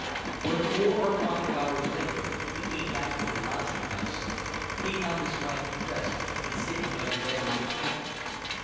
When, four or five hours later, he came back to the lodging house he found his wife dressed and sitting by the bedroom table.